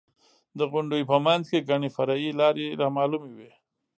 د غونډیو په منځ کې ګڼې فرعي لارې رامعلومې وې.